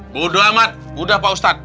bodo amat udah pak ustadz